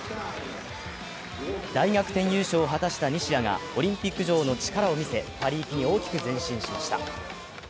大逆転優勝を果たした西矢がオリンピック女王の力を見せパリ行きに大きく前進しました。